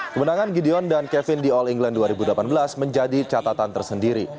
kemenangan gideon dan kevin di all england dua ribu delapan belas menjadi catatan tersendiri